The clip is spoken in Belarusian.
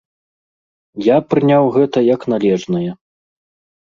Я прыняў гэта як належнае.